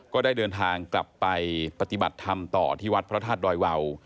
ก็ได้เดินทางกลับไปปฏิบัติธรรมต่อที่วัดพระธาตุดอยวาว